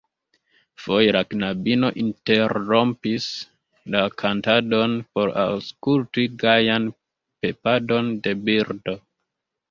Foje la knabino interrompis la kantadon por aŭskulti gajan pepadon de birdo.